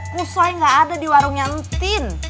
kusoy gak ada di warungnya entin